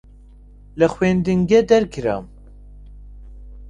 لە خوێندنگە دەرکرام.